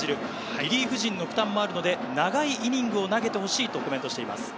リリーフ陣の負担もあるので、長いイニングを投げてほしいとコメントしています。